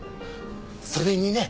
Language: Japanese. それにね